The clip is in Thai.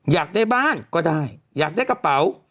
อยากได้บ้านก็ได้อยากได้กระเป๋า